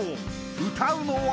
歌うのは！